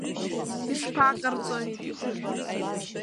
Ишԥаҟарҵои?